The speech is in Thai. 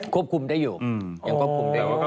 ควบคุมได้อยู่